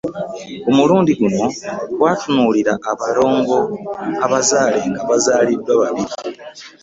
Ku mulundi guli twatunuulira abalongo abazaale nga bazaaliddwa babiri.